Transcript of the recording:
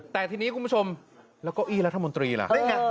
แต่ทีนี้คุณผู้ชมแล้วเก้าอี้รัฐมนตรีล่ะ